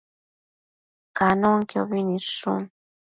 Canonquiobi nidshun